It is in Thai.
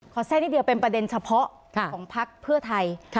แทรกนิดเดียวเป็นประเด็นเฉพาะของพักเพื่อไทย